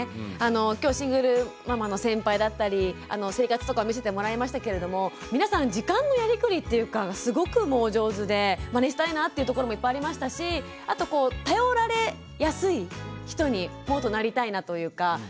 今日シングルママの先輩だったり生活とかを見せてもらいましたけれども皆さん時間のやりくりというかすごくお上手でまねしたいなっていうところもいっぱいありましたしあとこう頼られやすい人にもっとなりたいなというか。